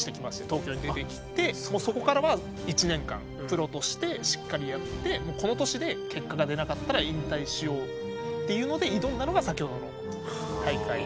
東京に出てきてもうそこからは１年間プロとしてしっかりやってこの年で結果が出なかったら引退しようっていうので挑んだのが先ほどの大会。